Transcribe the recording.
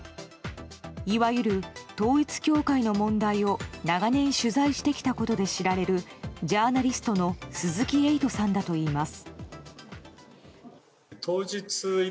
いわゆる統一教会の問題を長年取材してきたことで知られるジャーナリストの鈴木エイトさんだといいます。